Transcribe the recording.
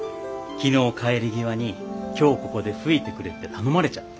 昨日帰り際に今日ここで吹いてくれって頼まれちゃって。